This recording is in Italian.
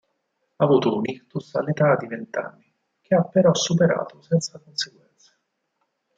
Ha avuto un ictus all'età di vent'anni, che ha però superato senza conseguenze.